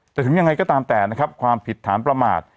ถึงยังไงก็ตามแต่นะครับความผิดฐานประมาท